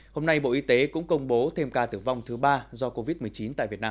hôm nay bộ y tế cũng công bố thêm ca tử vong thứ ba do covid một mươi chín tại việt nam